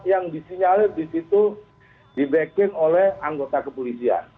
yang disinyalir disitu di backing oleh anggota kepolisian